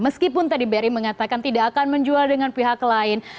meskipun tadi bri mengatakan tidak akan menjual dengan pihak lain